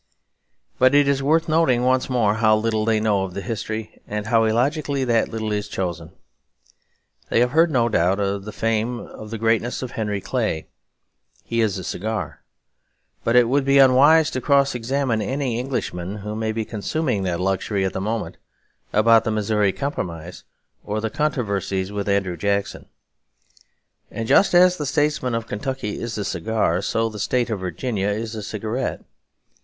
But it is worth noting once more how little they know of the history, and how illogically that little is chosen. They have heard, no doubt, of the fame and the greatness of Henry Clay. He is a cigar. But it would be unwise to cross examine any Englishman, who may be consuming that luxury at the moment, about the Missouri Compromise or the controversies with Andrew Jackson. And just as the statesman of Kentucky is a cigar, so the state of Virginia is a cigarette.